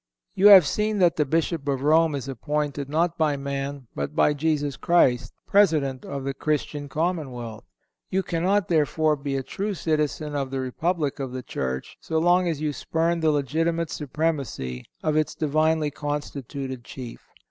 You have seen that the Bishop of Rome is appointed not by man, but by Jesus Christ, President of the Christian commonwealth. You cannot, therefore, be a true citizen of the Republic of the Church so long as you spurn the legitimate supremacy of its Divinely constituted Chief.